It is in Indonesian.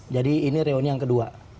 jadi ini reuni yang kedua